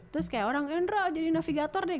terus kayak orang indra jadi navigator deh